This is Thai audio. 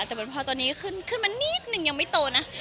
แต่พอตอนนี้ขึ้นมานิดนึงยังไม่โตนะ